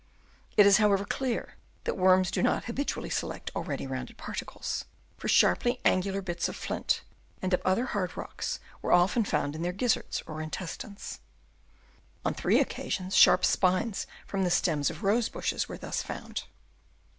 It is, however, clear that worms do not habitually select already rounded particles, for sharply angular bits of flint and of other hard rocks were often found in their gizzards or intestines. On three occasions sharp spines from the stems of rose bushes were thus found.